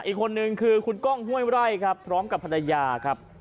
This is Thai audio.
อีกคนนึงคือคุณก้องห้วยไร่ครับพร้อมกับภรรยาครับ